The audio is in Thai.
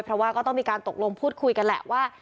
เพราะว่าก็ต้องมีการตกลงพูดคุยกันแหละว่า